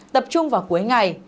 tập trung vào cuối ngày